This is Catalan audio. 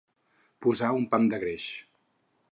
Posar un pam de greix.